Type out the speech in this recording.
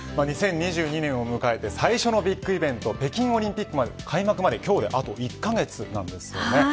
２０２２年を迎えて最初のビッグイベント北京オリンピック開幕まで今日であと１カ月なんです。